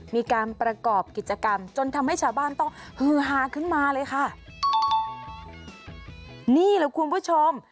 มีการประกอบกิจกรรมจนทำให้ชาวบ้านต้องฮือฮาขึ้นมาเลยค่ะนี่แหละคุณผู้ชม